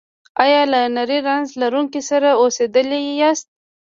ایا له نري رنځ لرونکي سره اوسیدلي یاست؟